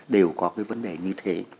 đều có cái vấn đề như thế